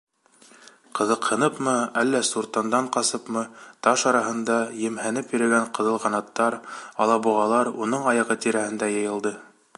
Ҡыҙыҡһыныпмы, әллә суртандан ҡасыпмы таш араһында емһәнеп йөрөгән ҡыҙылғанаттар, алабуғалар уның аяғы тирәһенә йыйылды.